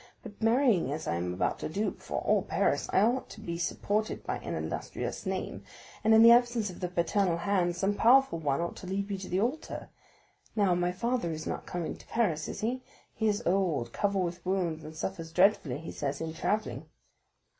But marrying, as I am about to do, before all Paris, I ought to be supported by an illustrious name, and in the absence of the paternal hand some powerful one ought to lead me to the altar; now, my father is not coming to Paris, is he?" "He is old, covered with wounds, and suffers dreadfully, he says, in travelling."